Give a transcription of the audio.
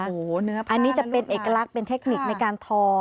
อันนี้จะเป็นเอกลักษณ์เป็นเทคนิคในการทอ